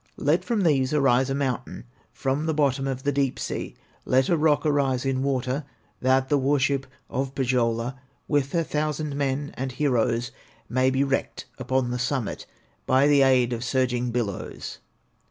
"Let from these arise a mountain From the bottom of the deep sea, Let a rock arise in water, That the war ship of Pohyola, With her thousand men and heroes, May be wrecked upon the summit, By the aid of surging billows."